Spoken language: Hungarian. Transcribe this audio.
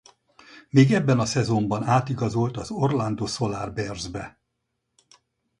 Még ebben a szezonban átigazolt a Orlando Solar Bearsbe.